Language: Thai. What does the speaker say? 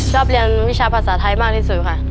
ชอบเรียนวิชาภาษาไทยมากที่สุดค่ะ